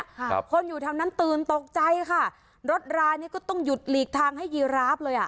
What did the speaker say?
ครับคนอยู่แถวนั้นตื่นตกใจค่ะรถรายนี้ก็ต้องหยุดหลีกทางให้ยีราฟเลยอ่ะ